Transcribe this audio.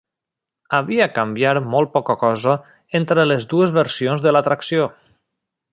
Havia canviar molt poca cosa entre les dues versions de l'atracció.